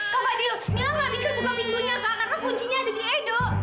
kak fadil mila gak bisa buka pintunya karena kuncinya ada di edo